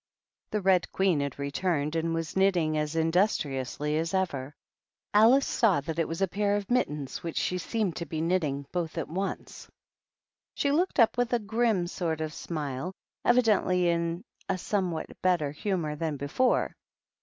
The Red Queen had returned, and was knitting as industriously as ever. Alic^ saw that it was a pair of mittens which she seemed to be knitting both at once. She looked up with a grim sort of smile, evidently in a somewhat better humor than before.